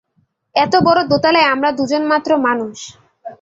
এত বড় দোতলায় আমরা দুজনমাত্র মানুষ।